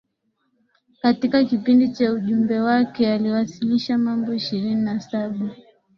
Katika kipindi cha ujumbe wake aliwasilisha mambo ishirini na Saba